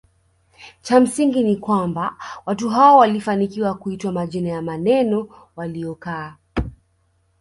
Cha msingi ni kwamba watu hao walifanikiwa kuitwa majina ya maeneo waliyokaa